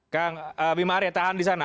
kang bima arya tahan di sana